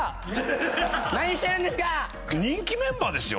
人気メンバーですよ？